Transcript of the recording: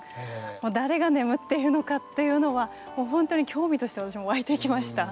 誰が眠っているのかっていうのはほんとに興味として私も湧いてきました。